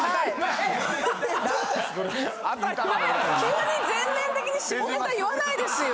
急に全面的に下ネタ言わないですよ！